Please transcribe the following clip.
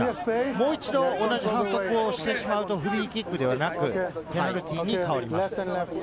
もう一度、同じ反則してしまうと、フリーキックではなくペナルティーに変わります。